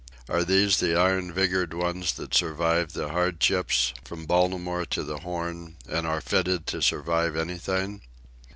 Are these the iron vigoured ones that survived the hardships from Baltimore to the Horn, and are fitted to survive anything?